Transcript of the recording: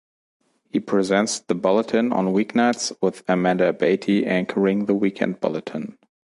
He presents the bulletin on weeknights, with Amanda Abate anchoring the weekend bulletin.